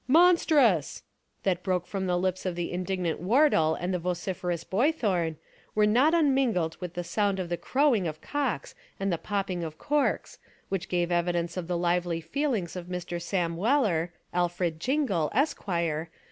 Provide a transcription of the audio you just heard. Monstrous!" that broke from the lips of the indignant Wardle and the vociferous Boythorn, were not unmingled with the sound of the crow ing of cocks and the popping of corks, which gave evidence of the lively feelings of Mr. Sam Weller, Alfred Jingle, Esqre.